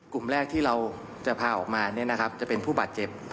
กลุ่มแรกที่เราจะพาออกมาจะเป็นผู้บาดเจ็บ